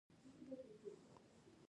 تعلیم نجونو ته د ورزش اهمیت ور زده کوي.